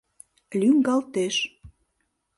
Лӱҥгалтеш.